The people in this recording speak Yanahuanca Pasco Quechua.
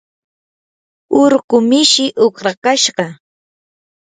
urqu mishii uqrakashqa.